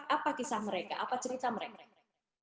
apa kisah mereka apa cerita mereka mereka